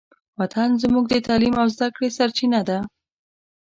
وطن زموږ د تعلیم او زدهکړې سرچینه ده.